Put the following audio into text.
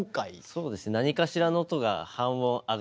そうですね。